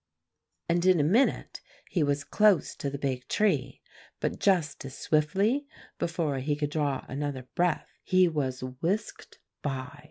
"And in a minute he was close to the big tree; but just as swiftly, before he could draw another breath, he was whisked by.